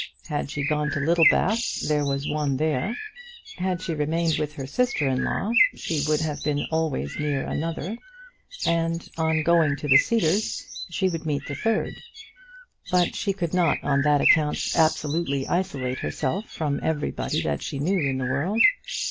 Had she gone to Littlebath there was one there; had she remained with her sister in law, she would have been always near another; and, on going to the Cedars, she would meet the third. But she could not on that account absolutely isolate herself from everybody that she knew in the world.